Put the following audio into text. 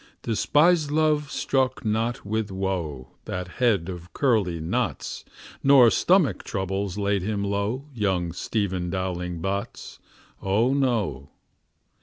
Despised love struck not with woe That head of curly knots, Nor stomach troubles laid him low, Young Stephen Dowling Bots. O no.